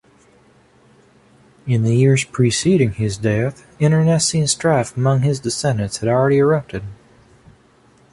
In the years preceding his death, internecine strife among his descendants had already erupted.